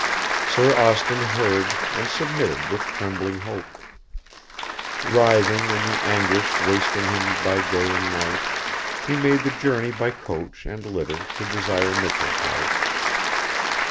Sir Austin heard, and submitted with trembling hope. Writhing in the anguish wasting him by day and night, he made the journey by coach and litter to Desire Michell's house.